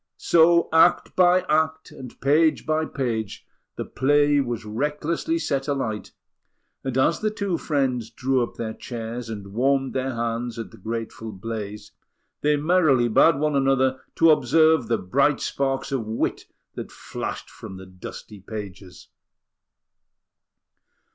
So, act by act, and page by page, the play was recklessly set alight; and as the two friends drew up their chairs and warmed their hands at the grateful blaze, they merrily bade one another to observe the bright sparks of wit that flashed from the dusty pages!